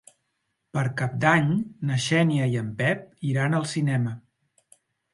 Per Cap d'Any na Xènia i en Pep iran al cinema.